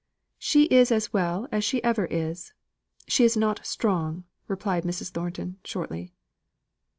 "She is as well as she ever is. She is not strong," replied Mrs. Thornton, shortly.